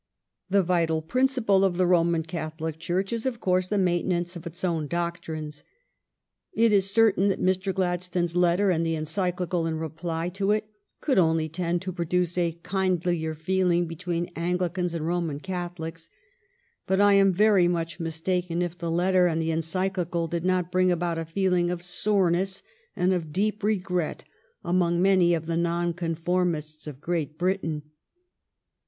The vital prin ciple of the Roman Catholic Church is, of course, the maintenance of its own doctrines. It is cer tain that Mr. Gladstone s letter and the Encyclical in reply to it could only tend to produce a kindlier feeling between Anglicans and Roman Catholics. But I am much mistaken if the letter and the Encyclical did not bring about a feeling of sore ness and of deep regret among many of the Nonconformists of Great Britain.